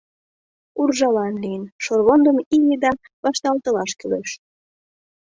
Уржалан лийын, шорвондым ий еда вашталтылаш кӱлеш...